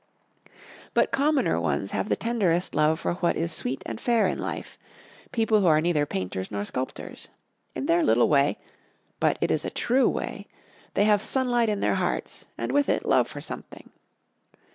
But commoner ones have the tenderest love for what is sweet and fair in life, people who are neither painters nor sculptors. In their little way but it is a true way they have sunlight in their hearts, and with it love for something.